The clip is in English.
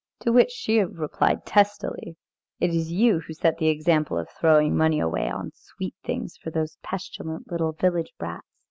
To which she replied testily: "It is you who set the example of throwing money away on sweet things for those pestilent little village brats."